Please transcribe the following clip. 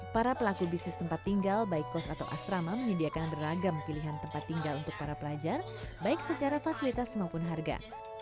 para pelaku bisnis tempat tinggal baik kos atau asrama menyediakan beragam pilihan tempat tinggal untuk para pelajar baik secara fasilitas maupun harga